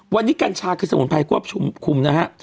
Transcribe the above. วันนี้กัญชาคือสมุนไพรควบคุมนะฮะ